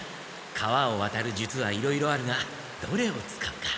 川をわたる術はいろいろあるがどれを使うか。